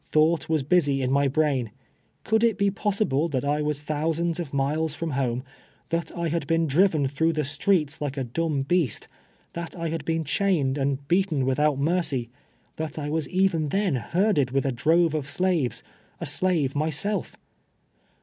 Thought was busy in my brain. Could it l)e possible that I was thousands of miles from home — that I luid been driven through the streets like a dumb beast —• that I had been chained and beaten without mercy — that I was even then herded with a drove of slaves, a slave myself?